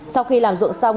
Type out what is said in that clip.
sau khi làm ruộng xong